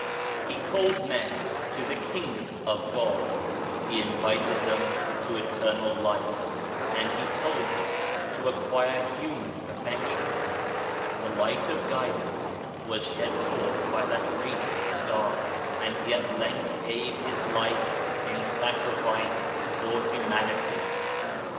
He called men to the Kingdom of God, He invited them to Eternal Life and He told them to acquire human perfections. The Light of Guidance was shed forth by that radiant Star, and He at length gave His life in sacrifice for Humanity.